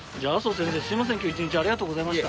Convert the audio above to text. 先生今日一日ありがとうございました。